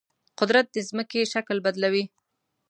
قدرت د ځمکې شکل بدلوي.